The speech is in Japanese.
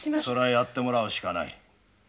それはやってもらうしかない。